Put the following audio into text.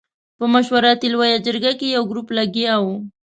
په مشورتي لویه جرګه کې یو ګروپ لګیا وو.